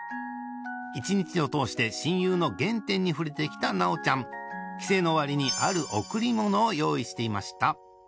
一日を通して親友の原点に触れてきた奈央ちゃん帰省の終わりにある贈り物を用意していました